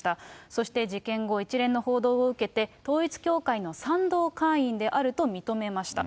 そして事件後、一連の報道を受けて、統一教会の賛同会員であると認めました。